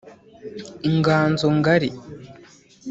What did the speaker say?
Inganzo Ngali